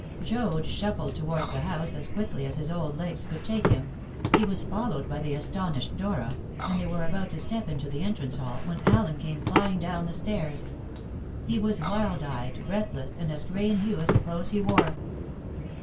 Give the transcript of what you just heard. Joad shuffled towards the house as quickly as his old legs could take him. He was followed by the astonished Dora, and they were about to step into the entrance hall, when Allen Scott came flying down the stairs. He was wild eyed, breathless, and as gray in hue as the clothes he wore.